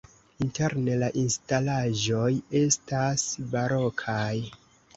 Interne la instalaĵoj estas barokaj.